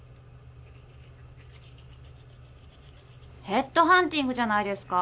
ヘッドハンティングじゃないですか。